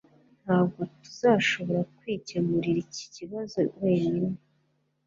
Ntabwo tuzashobora kwikemurira iki kibazo wenyine